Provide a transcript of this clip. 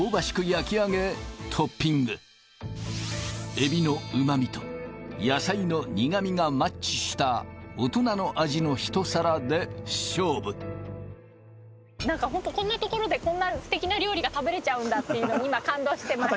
焼き上げトッピングエビのうまみと野菜の苦みがマッチした大人の味の一皿で勝負なんか本当こんな所でこんなすてきな料理が食べれちゃうんだって今感動してます